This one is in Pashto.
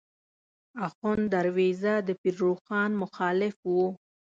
آخوند دروېزه د پیر روښان مخالف و.